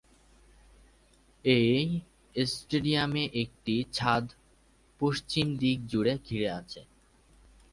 এই স্টেডিয়ামে একটি ছাদ পশ্চিম দিক জুড়ে ঘিরে আছে।